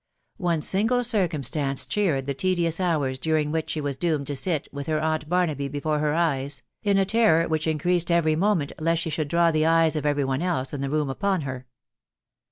One single circumstance cheered the tedious hours during which she was doomed to sit, with her aunt Barnaby before her eyes, in a terror which increased every moment lest she should draw the eyes of every one else in the room upon her.